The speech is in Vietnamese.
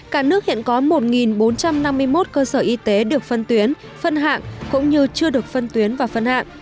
cả nước hiện có một bốn trăm năm mươi một cơ sở y tế được phân tuyến phân hạng cũng như chưa được phân tuyến và phân hạng